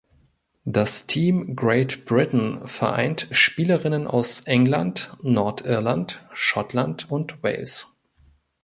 Das „Team Great Britain“ vereint Spielerinnen aus England, Nordirland, Schottland und Wales.